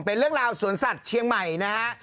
เป็นเรื่องราวสวนสัตว์เชียงใหม่นะฮะ